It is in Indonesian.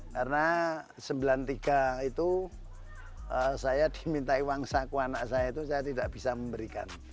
karena seribu sembilan ratus sembilan puluh tiga itu saya diminta uang saku anak saya itu saya tidak bisa memberikan